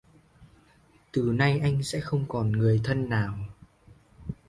Từ nay anh sẽ không còn người thân nào